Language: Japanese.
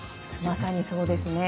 まさにそうですね。